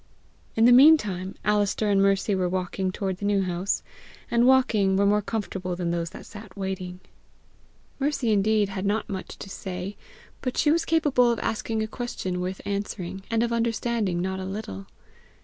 In the meantime, Alister and Mercy were walking toward the New House, and, walking, were more comfortable than those that sat waiting. Mercy indeed had not much to say, but she was capable of asking a question worth answering, and of understanding not a little.